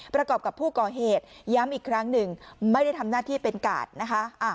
ประกอบกับผู้ก่อเหตุย้ำอีกครั้งหนึ่งไม่ได้ทำหน้าที่เป็นกาดนะคะ